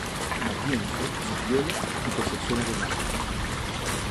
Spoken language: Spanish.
Matienzo, Zapiola y Concepción Arenal.